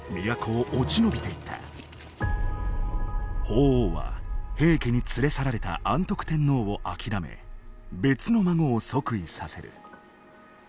法皇は平家に連れ去られた安徳天皇を諦め別の孫を即位させる。